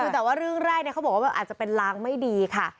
แต่ว่าเรื่องแรกเขาบอกว่าอาจจะเป็นลางไม่ดีค่ะ